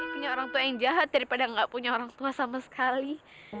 punya orang tua yang jahat daripada nggak punya orang tua sama sekali